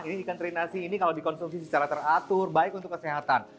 ini ikan teri nasi ini kalau dikonsumsi secara teratur baik untuk kesehatan